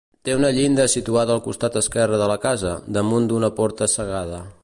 Té una llinda situada al costat esquerre de la casa, damunt d'una porta cegada.